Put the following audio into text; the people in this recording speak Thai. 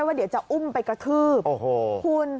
เดี๋ยวจะอุ้มไปกระทืบคุณ